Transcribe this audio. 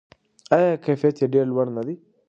آیا کیفیت یې ډیر لوړ نه دی؟